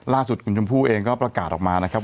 ล่าสุดคุณชมพู่เองก็ประกาศออกมานะครับ